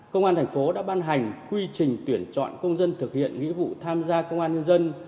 công an thành phố đã ban hành quy trình tuyển chọn công dân thực hiện nghĩa vụ tham gia công an nhân dân